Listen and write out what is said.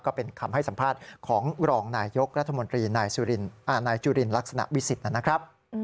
ก็เป็นคำให้สัมภาษณ์ของรองนายยกรัฐมนตรีนายจุลินลักษณะวิสิทธิ์นะครับ